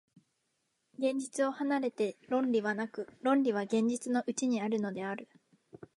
現実を離れて論理はなく、論理は現実のうちにあるのである。